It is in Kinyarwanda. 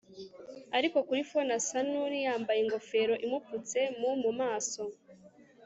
ari kuri phone asa nuri yambaye ingofero imupfutse mu mu maso